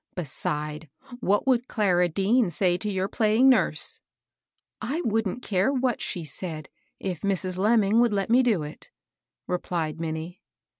Beside, what would Clara Dean say to your playing nurse ?"" I wouldn't care what she said, if Mrs. Lem ming would let me do it," replied Minnie.